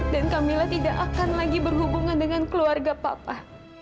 dan kamila tidak akan lagi berhubungan dengan keluarga papa